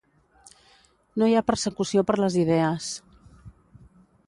No hi ha persecució per les idees.